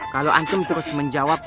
kalau antum terus menjawab